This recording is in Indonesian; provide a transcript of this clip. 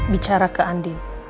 bicara ke andin